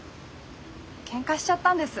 ケンカしちゃったんです。